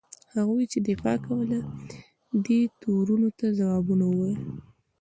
هغوی چې دفاع کوله دې تورونو ته ځوابونه وویل.